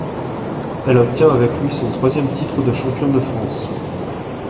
Elle obtient avec lui son troisième titre de champion de France.